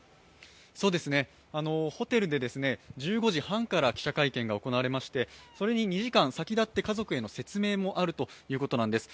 ホテルで１５時半から記者会見が行われまして、それに２時間先立って、家族への説明もあるということなんです。